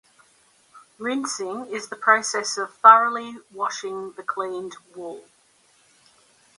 Rinsing is the process of thoroughly washing the cleaned wool.